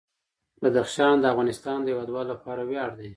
بدخشان د افغانستان د هیوادوالو لپاره ویاړ دی.